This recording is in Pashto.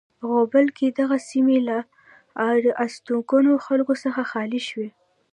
غوبل کې دغه سیمې له آر استوګنو خلکو څخه خالی شوې.